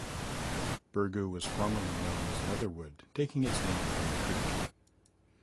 Bergoo was formerly known as Leatherwood, taking its name from the creek.